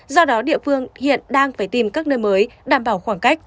do đó địa phương hiện đang phải tìm các nơi mới đảm bảo khoảng cách